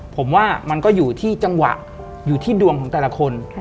ผมว่ามันก็อยู่ที่จังหวะอยู่ที่ดวงของแต่ละคน